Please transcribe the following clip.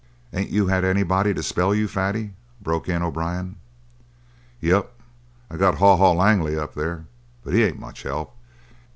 "Ain't you had anybody to spell you, Fatty?" broke in O'Brien. "Yep. I got Haw Haw Langley up there. But he ain't much help.